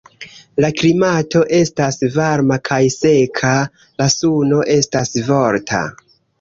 La klimato estas varma kaj seka; la suno estas forta.